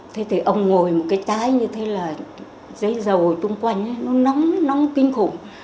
thế thì ông ngồi một cái trái như thế là dây dầu ở chung quanh nó nóng nóng kinh khủng